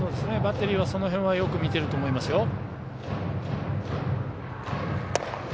バッテリーは、その辺はよく見てると思いますよ。